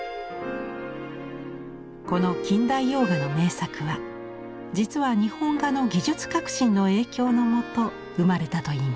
この近代洋画の名作は実は日本画の技術革新の影響のもと生まれたといいます。